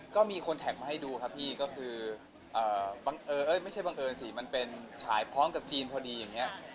ก็มีคนแท็กมาให้ดูครับพี่ก็คือบังเอิญไม่ใช่บังเอิญสิมันเป็นฉายพร้อมกับจีนพอดีอย่างนี้